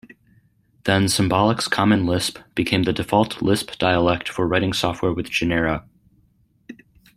Then Symbolics Common Lisp became the default Lisp dialect for writing software with Genera.